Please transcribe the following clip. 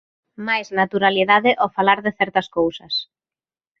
Máis naturalidade ao falar de certas cousas.